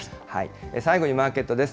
最後にマーケットです。